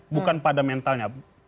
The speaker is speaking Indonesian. bukan pada mentalnya